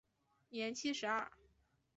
年七十二。